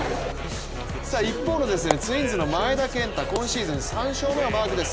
一方のツインズの前田健太、今シーズン３勝目です。